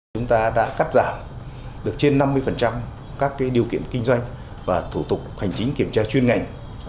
chúng ta đã cắt giảm được trên năm mươi các điều kiện kinh doanh và thủ tục hành chính kiểm tra chuyên ngành